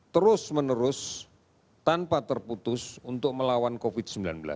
terus menerus tanpa terputus untuk melawan covid sembilan belas